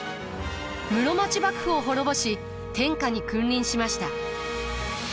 室町幕府を滅ぼし天下に君臨しました。